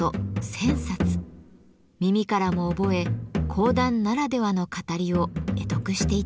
耳からも覚え講談ならではの語りを会得していったといいます。